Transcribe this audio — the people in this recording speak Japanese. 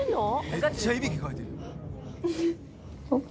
めっちゃいびきかいてる。